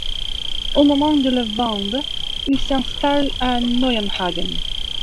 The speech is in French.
Au moment de la Wende, il s'installe à Neuenhagen.